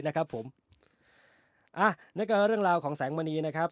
นะครับผมอ่ะนั่นก็เรื่องราวของแสงมณีนะครับ